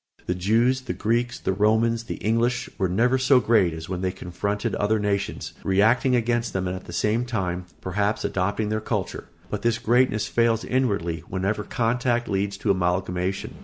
The Jews, the Greeks, the Romans, the English were never so great as when they confronted other nations, reacting against them and at the same time, perhaps, adopting their culture; but this greatness fails inwardly whenever contact leads to amalgamation.